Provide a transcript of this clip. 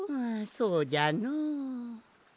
そうじゃのう。